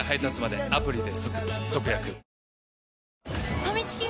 ファミチキが！？